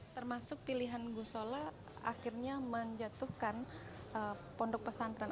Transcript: termasuk pilihan gusola akhirnya menjatuhkan pondok pesantren